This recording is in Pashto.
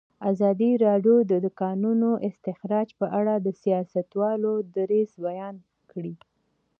ازادي راډیو د د کانونو استخراج په اړه د سیاستوالو دریځ بیان کړی.